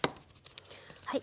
はい。